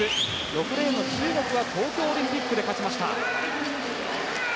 ６レーンの中国は東京オリンピックで勝ちました。